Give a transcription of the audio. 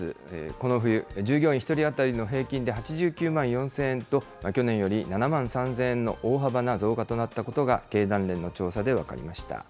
この冬、従業員１人当たりの平均で８９万４０００円と、去年より７万３０００円の大幅な増加となったことが、経団連の調査で分かりました。